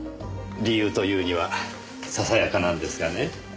理由というにはささやかなんですがね。